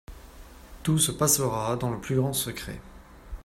Tout se passera dans le plus grand secret.